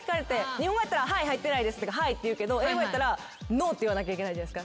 日本語やったら「はい」って言うけど英語やったら「ＮＯ」って言わなきゃいけないじゃないですか。